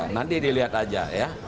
nanti dilihat saja